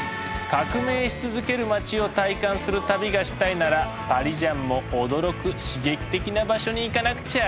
革命し続ける街を体感する旅がしたいならパリジャンも驚く刺激的な場所に行かなくちゃ。